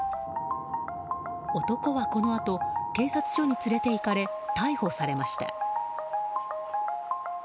男はこのあと警察署に連れて行かれ逮捕されました。